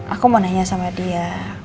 aku mau nanya sama dia